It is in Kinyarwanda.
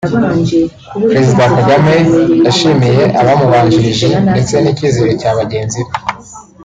Perezida Kagame yashimiye abamubanjirije ndetse n’icyizere cya bagenzi be